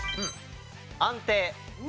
安定。